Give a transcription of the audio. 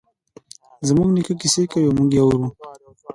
زموږ نیکه کیسې کوی او موږ یی اورو